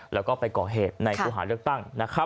แล้วก็ก่อเหตุในคู่หาเลือกต้าง